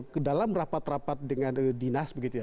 kedalam rapat rapat dengan dinas begitu ya